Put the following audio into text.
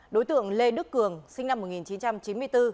đối tượng lê đức cường sinh năm một nghìn chín trăm chín mươi bốn